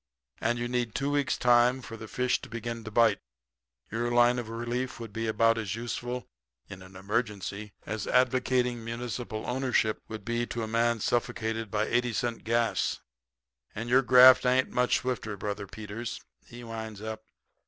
And you need two weeks' time for the fish to begin to bite. Your line of relief would be about as useful in an emergency as advocating municipal ownership to cure a man suffocated by eighty cent gas. And your graft ain't much swifter, Brother Peters,' he winds up.